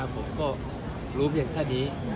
ผมก็รู้เพียงแค่นี้